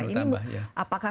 semakin bertambah ya